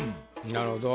なるほど。